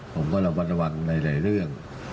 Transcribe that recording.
ผมก็ระวังในหลายเรื่อง